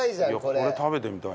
いやこれ食べてみたい。